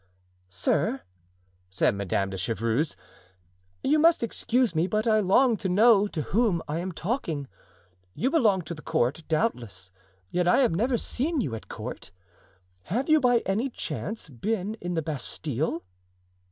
"Sir," said Madame de Chevreuse, "you must excuse me, but I long to know to whom I am talking. You belong to the court, doubtless, yet I have never seen you at court. Have you, by any chance, been in the Bastile?"